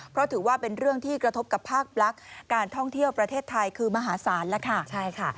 เพราะถือว่าเป็นเรื่องที่กระทบกับภาคลักษณ์การท่องเที่ยวประเทศไทยคือมหาศาลแล้วค่ะใช่ค่ะ